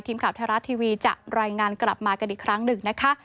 ทีมข่าวไทยรัฐทีวีจะรายงานกลับมากันอีกครั้งหนึ่งนะคะ